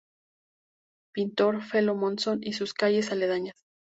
Pintor Felo Monzón y sus calles aledañas.